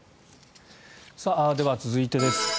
では続いてです。